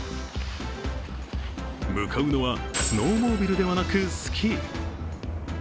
向かうのは、スノーモービルではなくスキー。